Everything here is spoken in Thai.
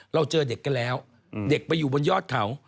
เราเจอเด็กกันแล้วเด็กไปอยู่บนยอดเขา